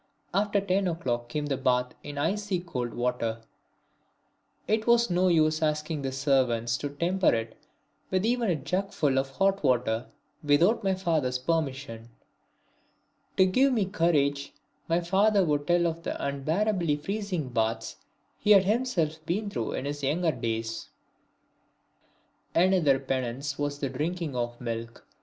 After ten o'clock came the bath in icy cold water; it was no use asking the servants to temper it with even a jugful of hot water without my father's permission. To give me courage my father would tell of the unbearably freezing baths he had himself been through in his younger days. Another penance was the drinking of milk.